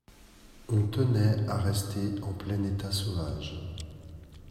On tenait à rester en plein état sauvage.